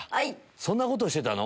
「そんなことしてたの⁉」